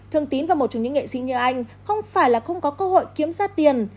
thương tín và một trong những nghệ sĩ như anh không phải là không có cơ hội kiếm ra tiền